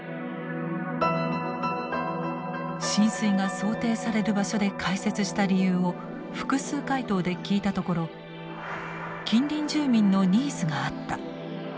浸水が想定される場所で開設した理由を複数回答で聞いたところ「近隣住民のニーズがあった」